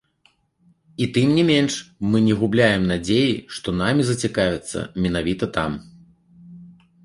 І, тым не менш, мы не губляем надзеі, што намі зацікавяцца менавіта там.